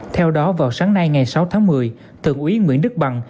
theo đó vào sáng nay ngày sáu tháng một mươi thượng úy nguyễn đức bằng